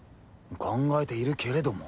考えているけれども。